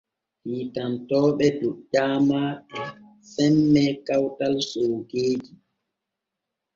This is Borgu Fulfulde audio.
Hiitantooɓe doƴƴaama e semme kawtal soogeeji.